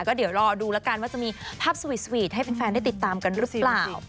ก็เดี๋ยวรอดูแล้วกันว่าจะมีภาพสวีทวีทให้แฟนได้ติดตามกันหรือเปล่า